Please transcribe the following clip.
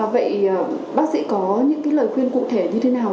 vậy bác sĩ có những lời khuyên cụ thể như thế nào